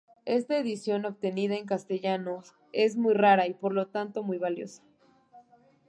Esta edición obtenida en castellano es muy rara y, por lo tanto, muy valiosa.